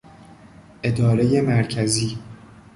ادارهی مرکزی